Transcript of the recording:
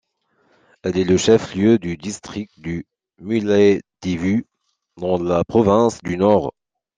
Elle est le chef-lieu du district de Mullaitivu dans la province du Nord.